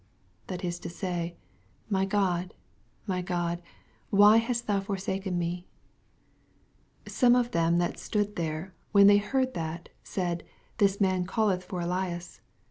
that is to say, My God, my God, why hast thou for Baken me ? 47 Some of them that stood there, when they heard thatj said, This man calleth for Elias.